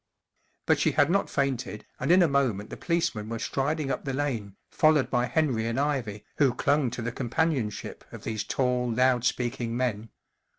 But she had not fainted, and in a moment the policemen were striding up the lane, followed by Henry and Ivy, who clung to the companionship of these tall, loud speaking men.